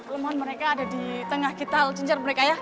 lemohon mereka ada di tengah kital cincar mereka ya